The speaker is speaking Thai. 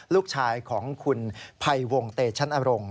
ลูกชายของคุณภัยวงเตชันอรงค